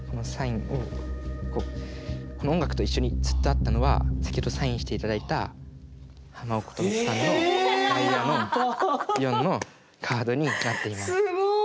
この音楽と一緒にずっとあったのは先ほどサインして頂いたハマ・オカモトさんのダイヤの４のカードになっています。